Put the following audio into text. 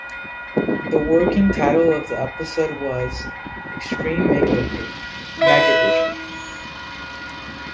The working title of the episode was "Extreme Makeover: Meg Edition".